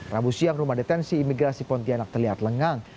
rabu siang rumah detensi imigrasi pontianak terlihat lengang